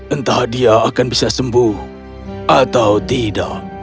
entah dia akan bisa sembuh atau tidak